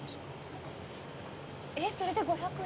えっそれで５００円？